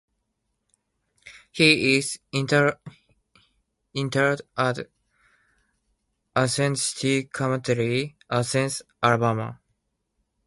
He is interred at Athens City Cemetery, Athens, Alabama.